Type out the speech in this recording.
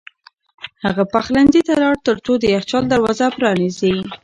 هغه پخلنځي ته لاړ ترڅو د یخچال دروازه پرانیزي.